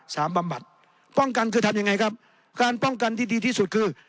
บำบัดป้องกันคือทำยังไงครับการป้องกันที่ดีที่สุดคือ